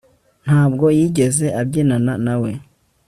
ntabwo yigeze abyinana nawe